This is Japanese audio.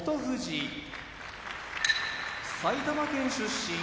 富士埼玉県出身